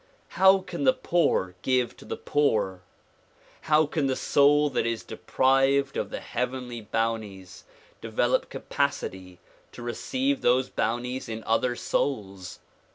How can the poor give to the poor ? How can the soul that is deprived of the heavenly bounties develop capacity to receive those bounties in other souls?